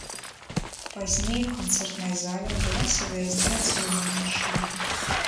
Пазней у канцэртнай зале адбылася выязная цырымонія шлюбу.